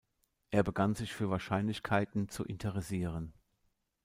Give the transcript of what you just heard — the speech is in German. Er begann sich für Wahrscheinlichkeiten zu interessieren.